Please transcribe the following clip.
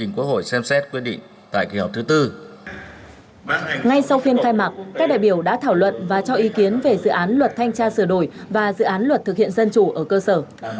các đại biểu đã thảo luận và cho ý kiến về dự án luật thanh tra sửa đổi và dự án luật thực hiện dân chủ ở cơ sở